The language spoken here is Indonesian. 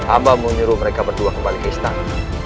abah menyuruh mereka berdua kembali ke istana